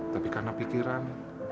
tapi karena pikiran